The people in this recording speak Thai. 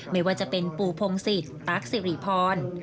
ไม่ว่าจะเป็นปู่พงศิษย์ตั๊กสิริพร